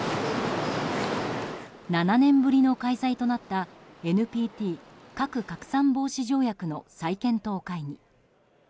７年ぶりの開催となったＮＰＴ・核拡散防止条約の再検討会議。